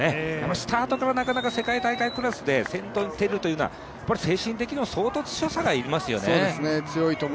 スタートからなかなか世界大会クラスで先頭に出るっていうのはやっぱり精神的にも相当強さがいりますよね。